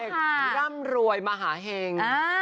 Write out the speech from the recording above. เลขร่ำรวยมหาเหง๓๒๓๗๔